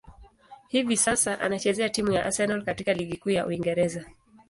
Hivi sasa, anachezea timu ya Arsenal katika ligi kuu ya Uingereza.